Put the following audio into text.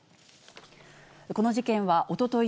この事件はおととい